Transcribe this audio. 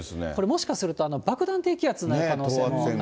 もしかすると、爆弾低気圧になる可能性もあります。